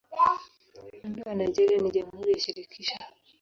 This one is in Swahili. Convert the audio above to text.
Muundo wa Nigeria ni Jamhuri ya Shirikisho.